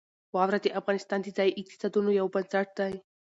واوره د افغانستان د ځایي اقتصادونو یو بنسټ دی.